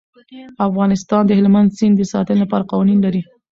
افغانستان د هلمند سیند د ساتنې لپاره قوانین لري.